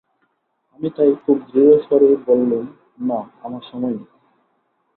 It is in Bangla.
আমি তাই খুব দৃঢ়স্বরেই বললুম, না, আমার সময় নেই।